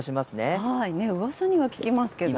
うわさには聞きますけどね。